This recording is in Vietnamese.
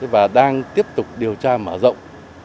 và đang tiếp tục điều tra mở rộng